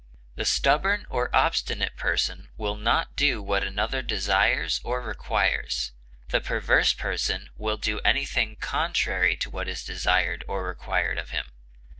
The stubborn or obstinate person will not do what another desires or requires; the perverse person will do anything contrary to what is desired or required of him.